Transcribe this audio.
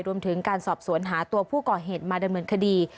รวมถึงการสอบสวนหาตัวผู้ก่อเหตุมาดำเนินคดี